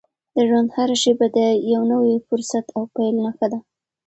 د ژوند هره شېبه د یو نوي فرصت او پیل نښه ده.